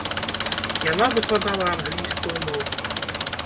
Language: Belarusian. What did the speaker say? Яна выкладала англійскую мову.